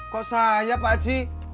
kok saya pak aji